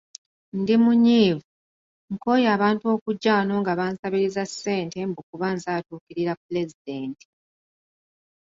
Ndi munyiivu, nkooye abantu okujja wano nga bansabiriza ssente mbu kuba nze atuukirira pulezidenti.